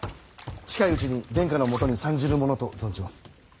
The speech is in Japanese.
近いうちに殿下のもとに参じるものと存じます。